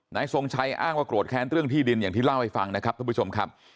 ทรงชัยอ้างว่าโกรธแค้นเรื่องที่ดินอย่างที่เล่าให้ฟังนะครับท่านผู้ชมครับ